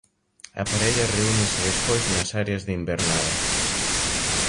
A parella reúnese despois nas áreas de invernada.